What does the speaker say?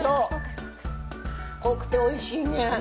濃くておいしいね。